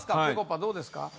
ぺこぱどうですか？